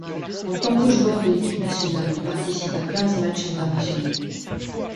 En tant que joueur de l'équipe nationale, il participe à quinze matchs internationaux.